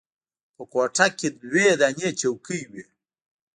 په کوټه کښې دوې دانې چوکۍ وې.